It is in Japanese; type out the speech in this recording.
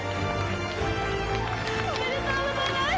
おめでとうございます！